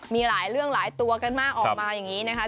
มีหลายเรื่องหลายตัวกันมาออกมาอยู่ครับ